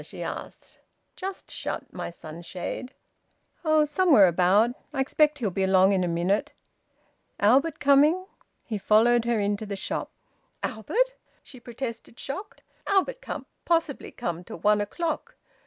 she asked. "Just shut my sunshade." "Oh! Somewhere about. I expect he'll be along in a minute. Albert coming?" He followed her into the shop. "Albert!" she protested, shocked. "Albert can't possibly come till one o'clock.